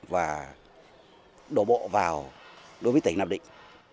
và đổ bộ vào đối với tỉnh nam định